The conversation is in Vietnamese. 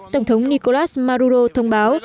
tổng thống nicolas maduro thông báo